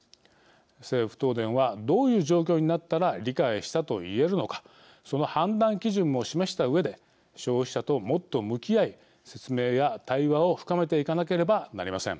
政府・東電はどういう状況になったら理解したと言えるのかその判断基準も示したうえで消費者ともっと向き合い説明や対話を深めていかなければなりません。